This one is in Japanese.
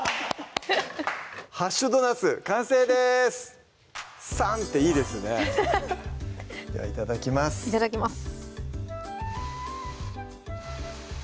「ハッシュドなす」完成です「サン」っていいですねではいただきますいただきます